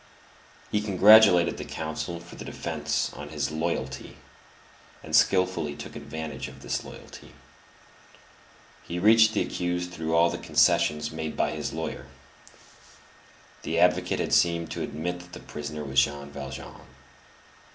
He congratulated the counsel for the defence on his "loyalty," and skilfully took advantage of this loyalty. He reached the accused through all the concessions made by his lawyer. The advocate had seemed to admit that the prisoner was Jean Valjean.